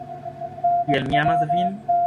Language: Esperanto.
Kiel mi amas vin!